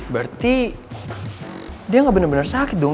berarti dia gak bener bener sakit dong